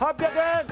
８００円！